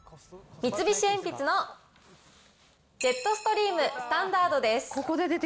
三菱鉛筆のジェットストリームスタンダードです。